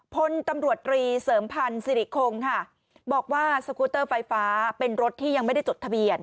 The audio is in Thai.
พลตำรวจตรีเสริมพันธ์สิริคงค่ะบอกว่าสกูเตอร์ไฟฟ้าเป็นรถที่ยังไม่ได้จดทะเบียน